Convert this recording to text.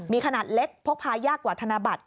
มีขนาดเล็กพกพายากกว่าธนบัตร